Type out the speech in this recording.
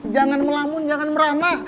jangan melamun jangan meramah